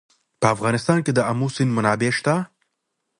په افغانستان کې د آمو سیند منابع شته.